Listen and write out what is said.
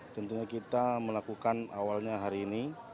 tentunya kita melakukan awalnya hari ini